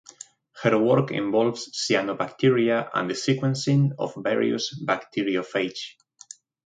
Her work involves cyanobacteria and the sequencing of various bacteriophages.